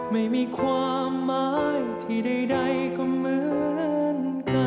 ไม่มีความหมายที่ใดก็เหมือนกัน